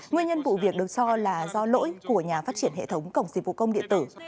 nguyên nhân vụ việc được cho là do lỗi của nhà phát triển hệ thống cổng dịch vụ công địa tử